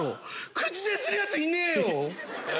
口でするヤツはいねえよ。